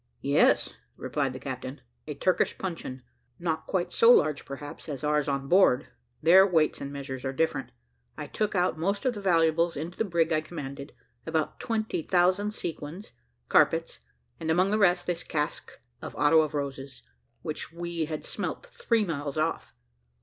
"Yes," replied the captain, "a Turkish puncheon not quite so large, perhaps, as ours on board; their weights and measures are different. I took out most of the valuables into the brig I commanded about 20,000 sequins carpets and among the rest, this cask of otto of roses, which we had smelt three miles off.